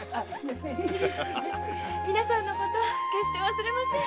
みなさんのことは決して忘れません。